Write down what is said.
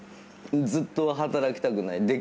ずっと働きたくない。